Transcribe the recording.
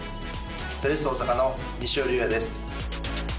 セレッソ大阪の西尾隆矢です。